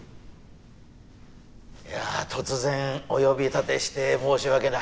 いやあ突然お呼び立てして申し訳ない。